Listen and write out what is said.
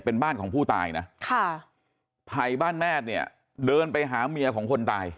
เป็นบ้านของผู้ตายนะค่ะไผ่บ้านแมทเนี่ยเดินไปหาเมียของคนตาย